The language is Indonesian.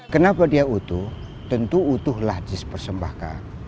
kenapa dia utuh tentu utuhlah dipersembahkan